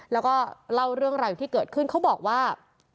แล้วก็เล่าเรื่องราวที่เกิดขึ้นเขาบอกว่า